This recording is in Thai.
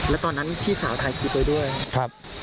แล้วตอนนั้นพี่สาวถ่ายคลิปไว้ด้วยครับ